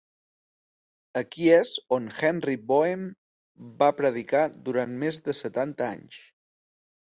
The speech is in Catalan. Aquí és on Henry Boehm va predicar durant més de setanta anys.